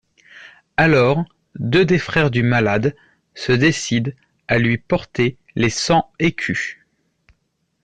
Alors deux des frères du malade se décident à lui porter les cent écus.